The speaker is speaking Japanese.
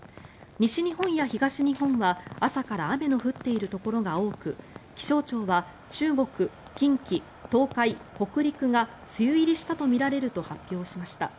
西日本や東日本は朝から雨の降っているところが多く気象庁は中国、近畿、東海、北陸が梅雨入りしたとみられると発表しました。